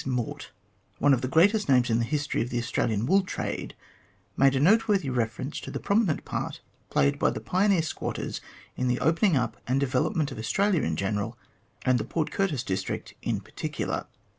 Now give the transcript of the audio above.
Mort, one of the greatest names in the history of the Australian wool trade, made a noteworthy reference to the prominent part played by the pioneer squatters in the opening up and development of Australia in general, and the Port Curtis district in particular.